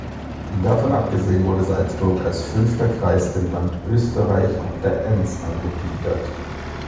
Davon abgesehen wurde Salzburg als fünfter Kreis dem Land Österreich ob der Enns angegliedert.